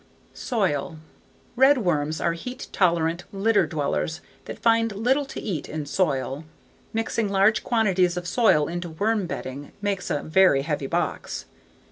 Soil Redworms are heat tolerant litter dwellers that find little to eat in soil. Mixing large quantities of soil into worm bedding makes a very heavy box.